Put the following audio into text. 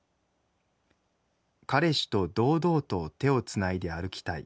「彼氏と堂々と手を繋いで歩きたい。